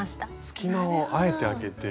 隙間をあえて空けて。